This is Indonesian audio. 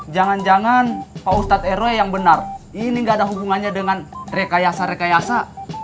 jangan jangan pak ustadz rw yang benar ini gak ada hubungannya dengan rekayasa rekayasa